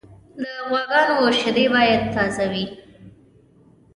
د غواګانو شیدې باید تازه وي.